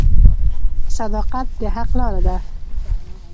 • صداقت د حق لاره ده.